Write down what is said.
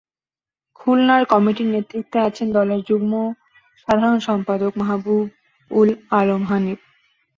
খুলনার কমিটির নেতৃত্বে আছেন দলের যুগ্ম সাধারণ সম্পাদক মাহবুব উল আলম হানিফ।